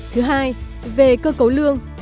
thứ hai về cơ cấu lương